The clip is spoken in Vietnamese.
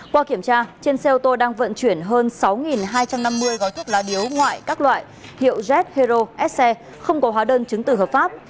qua kiểm tra trên xe ô tô đang vận chuyển hơn sáu hai trăm năm mươi gói thuốc lá điếu ngoại các loại hiệu jet hero sc không có hóa đơn chứng tử hợp pháp